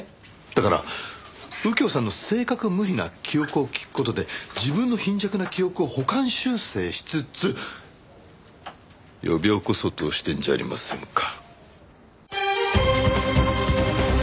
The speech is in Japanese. だから右京さんの正確無比な記憶を聞く事で自分の貧弱な記憶を補完修正しつつ呼び起こそうとしてるんじゃありませんか。